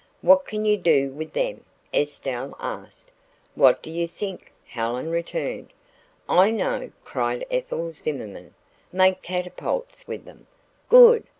"What can you do with them?" Estelle asked. "What do you think?" Helen returned. "I know," cried Ethel Zimmerman. "Make catapults with them." "Good!"